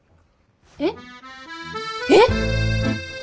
えっ？えっ？